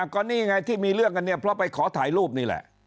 ก็นี่ไงที่มีเรื่องกันเนี่ยเพราะไปขอถ่ายรูปนี่แหละ